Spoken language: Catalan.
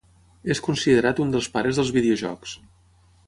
És considerat un dels pares dels videojocs.